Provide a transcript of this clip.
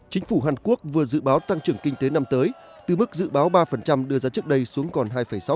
chính phủ hàn quốc vừa dự báo tăng trưởng kinh tế năm tới từ mức dự báo ba đưa ra trước đây xuống còn hai sáu